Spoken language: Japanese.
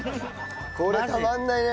これたまんないね。